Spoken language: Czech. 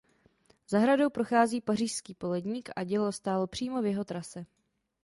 Zahradou prochází Pařížský poledník a dělo stálo přímo v jeho trase.